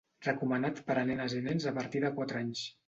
Recomanat per a nenes i nens a partir de quatre anys.